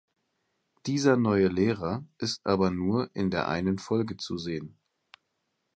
Dieser neue Lehrer ist aber nur in der einen Folge zu sehen.